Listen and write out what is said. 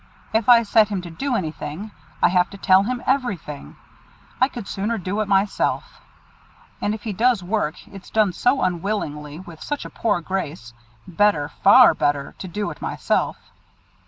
If I set him to do anything, I have to tell him everything; I could sooner do it myself. And if he does work, it's done so unwillingly, with such a poor grace; better, far better, to do it myself.